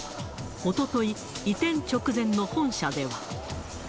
おととい、移転直前の本社では。